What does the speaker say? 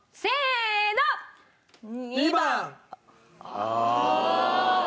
ああ。